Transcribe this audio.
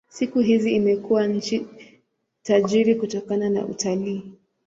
Siku hizi imekuwa nchi tajiri kutokana na utalii.